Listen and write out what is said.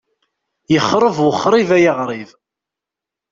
Yexreb wexrib ay aɣrib.